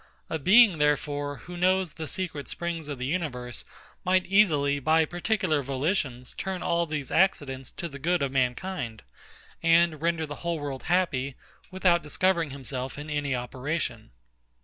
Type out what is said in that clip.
A being, therefore, who knows the secret springs of the universe, might easily, by particular volitions, turn all these accidents to the good of mankind, and render the whole world happy, without discovering himself in any operation.